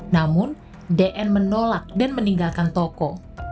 namun dn menolak dan meninggalkan toko